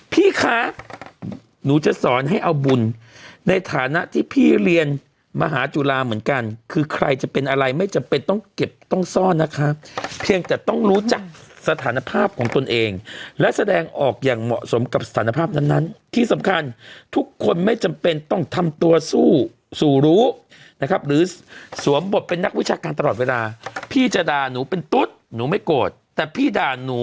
พี่คะหนูจะสอนให้เอาบุญในฐานะที่พี่เรียนมหาจุฬาเหมือนกันคือใครจะเป็นอะไรไม่จำเป็นต้องเก็บต้องซ่อนนะคะเพียงแต่ต้องรู้จักสถานภาพของตนเองและแสดงออกอย่างเหมาะสมกับสถานภาพนั้นที่สำคัญทุกคนไม่จำเป็นต้องทำตัวสู้สู่รู้นะครับหรือสวมบทเป็นนักวิชาการตลอดเวลาพี่จะด่าหนูเป็นตุ๊ดหนูไม่โกรธแต่พี่ด่าหนู